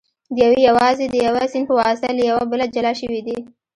دوی یوازې د یوه سیند په واسطه له یو بله جلا شوي دي